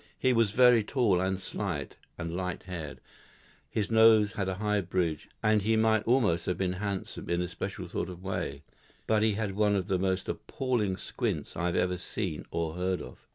He was very tall and slight, and light haired; his nose had a high bridge, and he might almost have been handsome in a spectral sort of way; but he had one of the most appalling squints I have ever seen or heard of.